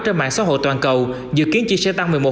trên mạng xã hội toàn cầu dự kiến chia sẻ tăng một mươi một